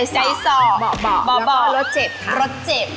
ใจสอบ่อแล้วก็รสเจ็บค่ะ